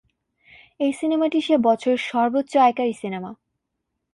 এই সিনেমাটি সে বছরের সর্বোচ্চ আয়কারী সিনেমা।